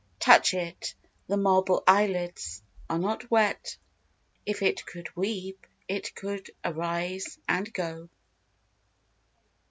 Touch it: the marble eyelids are not wet — If it could weep, it could arise and go.